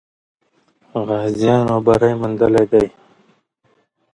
غازیانو بری موندلی دی.